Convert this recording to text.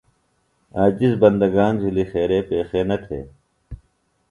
عاجز بندگان جُھلیۡ خیرے پیخے نہ تھےۡ۔